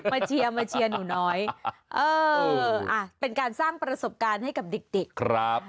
มาเชียวหนูน้อยเออเป็นการสร้างประสบการณ์ให้ให้กับเด็กครับ